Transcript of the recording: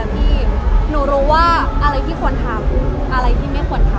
พี่หนูรู้ว่าอะไรที่ควรทำอะไรที่ไม่ควรทำ